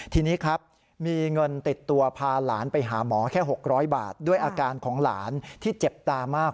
ทีนี้ครับมีเงินติดตัวพาหลานไปหาหมอแค่๖๐๐บาทด้วยอาการของหลานที่เจ็บตามาก